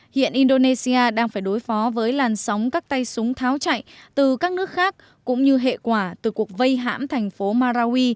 hiện indonesia đang phải đối phó với làn sóng các tay súng tháo chạy từ các nước khác cũng như hệ quả từ cuộc vây hãm thành phố marawi